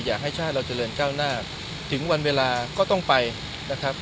อยากให้ชาติเราเจริญก้าวหน้าถึงวันเวลาก็ต้องไปนะครับ